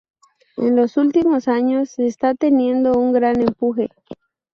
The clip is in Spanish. En los últimos años esta teniendo un gran empuje.